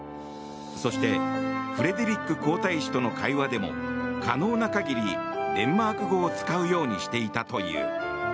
そして、フレデリック皇太子との会話でも可能な限りデンマーク語を使うようにしていたという。